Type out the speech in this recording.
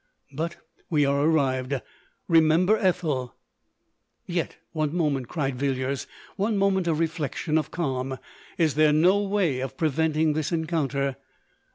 But we are arrived. Remember Ethel " "Yet one moment," cried Villiers ;— "one moment of reflection, of calm ! Is there no way of preventing this encounter